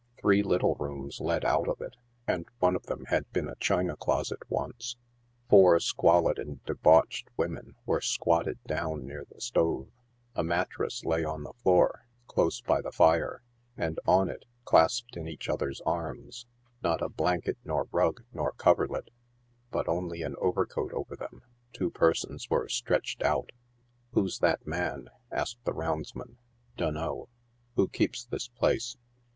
Three little rooms led out of it. and one of them had been a china closet once. Four squalid and debauched women were squatted down near the stove. A mattrass lay on the floor, close by the fire, and on it, clasped in each other's arms — not a blan ket nor rug nor coverlid, but only an overcoat over them — two per sons were stretched out. '; Who^s that man ?" asked the roundsman. " Dunno." <' Who keeps this place